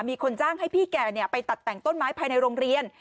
มีคนจ้างให้พี่แกไปตัดแต่งต้นไม้ภายในโรงเรียน